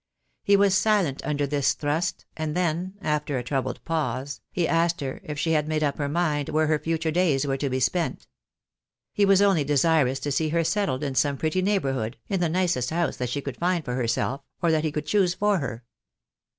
He was silent under this thrust, and then, after a troubled pause, he asked her if she had made up her mind where her future days were to be spent. He was only desirous to see her settled in some pretty neighbour hood, in the nicest house that she could find for herself, or that he could choose for her.